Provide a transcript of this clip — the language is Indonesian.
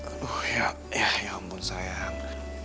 aduh ya ampun sayang